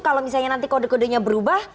kalau misalnya nanti kode kodenya berubah